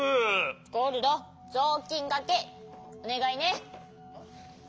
ゴールドぞうきんがけおねがいね。